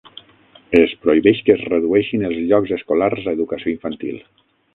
Es prohibeix que es redueixin els llocs escolars a educació infantil.